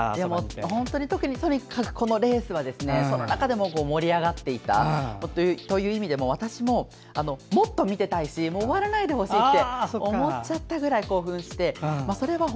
本当に特にとにかくこのレースはその中でも盛り上がっていたという意味でも私ももっと見てたいし終わらないでほしいって思っちゃったぐらい興奮して。